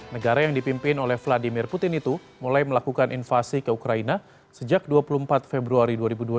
negara yang dipimpin oleh vladimir putin itu mulai melakukan invasi ke ukraina sejak dua puluh empat februari dua ribu dua puluh dua